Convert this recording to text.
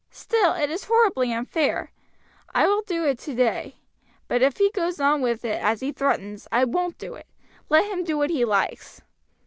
Still, it is horribly unfair. I will do it today. But if he goes on with it, as he threatens, I won't do it, let him do what he likes."